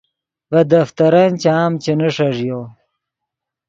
ڤے دفترن چام چے نیݰݱیو